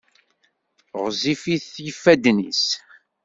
Ɣezzifit yifadden-is.